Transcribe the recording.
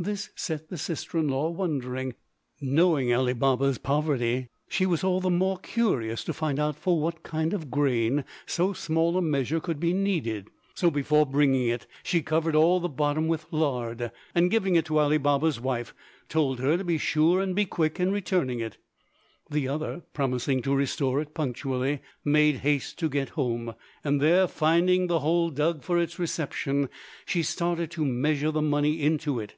This set the sister in law wondering. Knowing Ali Baba's poverty she was all the more curious to find out for what kind of grain so small a measure could be needed. So before bringing it she covered all the bottom with lard, and giving it to Ali Baba's wife told her to be sure and be quick in returning it. The other, promising to restore it punctually, made haste to get home; and there finding the hole dug for its reception she started to measure the money into it.